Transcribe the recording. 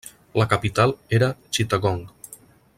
La capital era Chittagong.